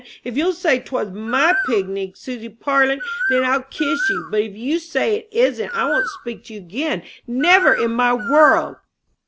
If you'll say 'twas my pignig, Susy Parlin, then I'll kiss you; but if you say it isn't, I won't speak to you again never in my world!"